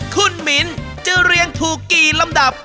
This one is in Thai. คุณมิ้นจะเรียงถูกกี่ลำดับ